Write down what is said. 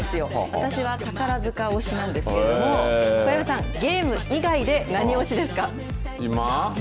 私は宝塚推しなんですけれども、小籔さん、ゲーム以外で何推しで今？